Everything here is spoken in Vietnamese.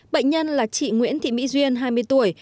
bệnh nhân là chị nguyễn thị mỹ duyên hai mươi tuổi